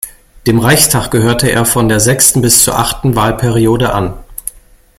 Dem Reichstag gehörte er von der sechsten bis zur achten Wahlperiode an.